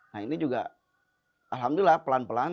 nah ini juga alhamdulillah pelan pelan